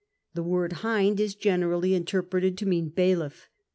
The word "hind" is generally interpreted to mean bailill*.